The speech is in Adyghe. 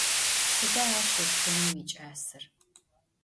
Sıda aş ışşxıneu yiç'aser?